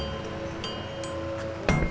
tidak ada yang bisa dihentikan